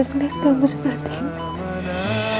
terima kasih banyak ya